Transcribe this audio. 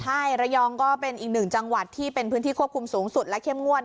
ใช่ระยองก็เป็นอีกหนึ่งจังหวัดที่เป็นพื้นที่ควบคุมสูงสุดและเข้มงวด